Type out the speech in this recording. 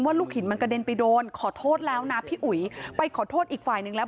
ลูกหินมันกระเด็นไปโดนขอโทษแล้วนะพี่อุ๋ยไปขอโทษอีกฝ่ายนึงแล้ว